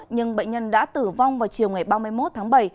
nhưng bệnh nhân đã tử vong vào chiều ngày ba mươi một tháng bảy